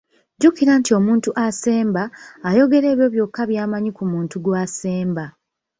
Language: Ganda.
Jjukira nti omuntu asemba, ayogera ebyo byokka by'amanyi ku muntu gw'asemba.